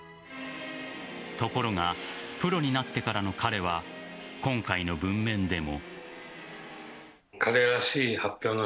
ところがプロになってからの彼は今回の文面でも。